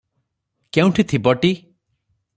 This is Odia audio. କେଉଁଠି ଥିବଟି!